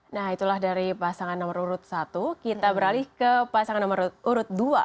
nah itulah dari pasangan nomor urut satu kita beralih ke pasangan nomor urut dua